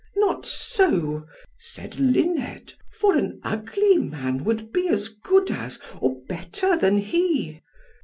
"Not so," said Luned, "for an ugly man would be as good as, or better than he."